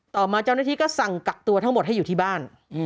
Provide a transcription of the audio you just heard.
ต่อมาเจ้าหน้าที่ก็สั่งกักตัวทั้งหมดให้อยู่ที่บ้าน